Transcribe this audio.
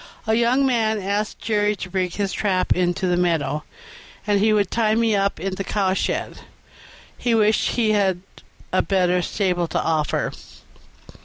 A young man asked Jerry to bring his trap into the meadow, and he would tie me up in the cowshed; he wished he had a better stable to offer.